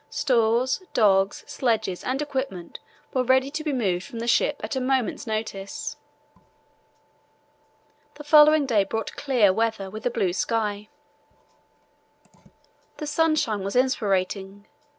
Stores, dogs, sledges, and equipment were ready to be moved from the ship at a moment's notice. The following day brought bright clear weather, with a blue sky. The sunshine was inspiriting.